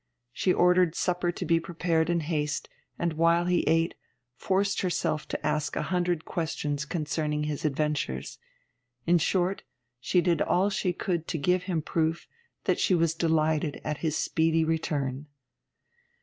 She ordered supper to be prepared in haste; and while he ate, forced herself to ask a hundred questions concerning his adventures. In short she did all she could to give him proof that she was delighted at his speedy return.